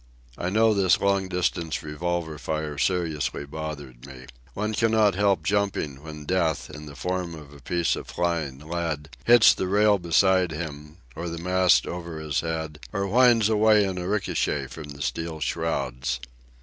I know this long distance revolver fire seriously bothered me. One cannot help jumping when death, in the form of a piece of flying lead, hits the rail beside him, or the mast over his head, or whines away in a ricochet from the steel shrouds.